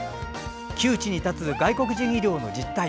窮地に立つ外国人医療の実態。